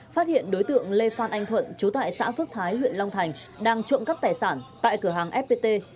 phát hiện đối tượng lê phan anh thuận trú tại xã phước thái huyện long thành đang trộm cắp tài sản tại cửa hàng fpt